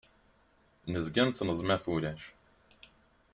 Nezga nettneẓma ɣef wulac.